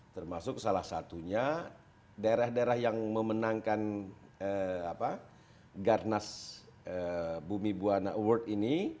termasuk salah satunya daerah daerah yang memenangkan garnas bumi buana award ini